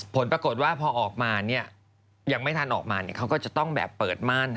ผลปรากฏว่าพอออกมายังไม่ทันออกมาเขาก็จะต้องแบบเปิดม่าน